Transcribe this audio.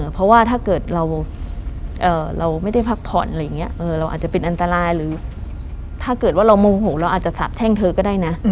เพราะว่าถ้าเกิดเราไม่ได้พักผ่อนอะไรอย่างนี้เราอาจจะเป็นอันตรายหรือถ้าเกิดว่าเราโมโหเราอาจจะสาบแช่งเธอก็ได้นะ